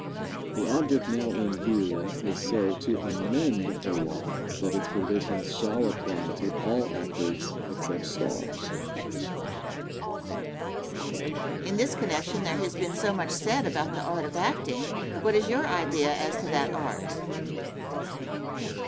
The object now in view is so to amend the law that its provision shall apply to all actors except stars. Question. In this connection there has been so much said about the art of acting what is your idea as to that art?